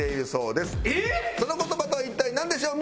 その言葉とは一体なんでしょう？